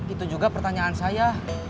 itu juga pertanyaan saya